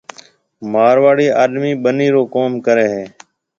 مارواڙي آڏمِي ٻنِي رو ڪوم ڪرَي ھيَََ